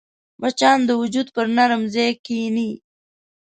مچان د وجود پر نرم ځای کښېني